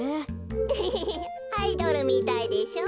エヘヘヘアイドルみたいでしょ。